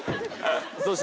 そして。